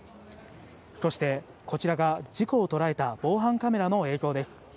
そしてこちらが事故を捉えた防犯カメラの映像です。